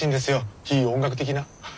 非音楽的な。